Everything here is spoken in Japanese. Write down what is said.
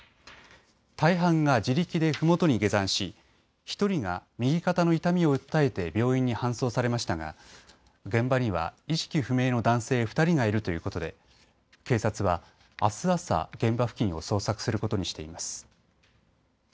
大半が自力でふもとに下山し１人が右肩の痛みを訴えて病院に搬送されましたが現場には意識不明の男性２人がいるということで警察はあす朝現場付近を捜索することにしています。